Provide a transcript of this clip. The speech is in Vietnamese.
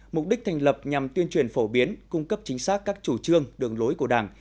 mục đích thành lập nhằm tuyên truyền phổ biến cung cấp chính xác các chủ trương đường lối của đảng